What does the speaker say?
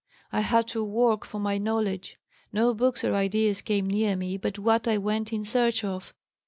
I had to work for my knowledge. No books or ideas came near me but what I went in search of.